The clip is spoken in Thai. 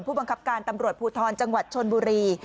ผู้บังคับการตำรวจภูทรจังหวัดชนบุรี